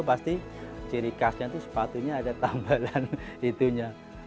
pasti ciri khasnya itu sepatunya ada tambalan itunya